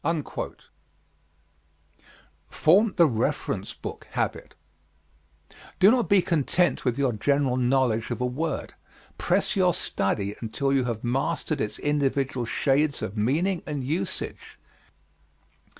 Form the Reference Book Habit Do not be content with your general knowledge of a word press your study until you have mastered its individual shades of meaning and usage.